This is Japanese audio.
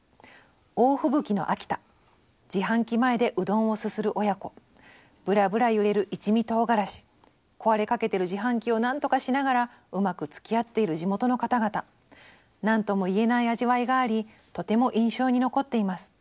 「大吹雪の秋田自販機前でうどんをすする親子ぶらぶら揺れる一味唐辛子壊れかけてる自販機を何とかしながらうまくつきあっている地元の方々何とも言えない味わいがありとても印象に残っています。